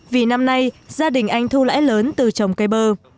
vì năm nay gia đình anh thu lãi lớn từ trồng cây bơ